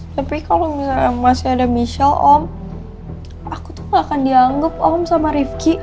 tapi kalau misalnya masih ada michel om aku tuh gak akan dianggap om sama rifki